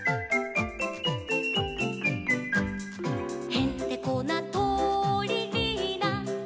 「へんてこなとりリーナ」